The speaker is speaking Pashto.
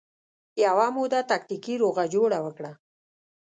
یوه موده تکتیکي روغه جوړه وکړه